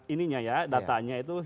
ini ya datanya itu